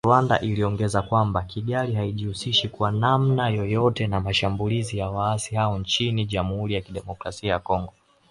Rwanda iliongezea kwamba “Kigali haijihusishi kwa namna yoyote na mashambulizi ya waasi hao nchini Jamhuri ya kidemokrasia ya Kongo